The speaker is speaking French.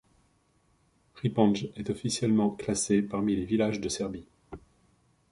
Ripanj est officiellement classé parmi les villages de Serbie.